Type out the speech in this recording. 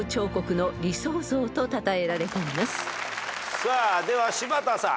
さあでは柴田さん。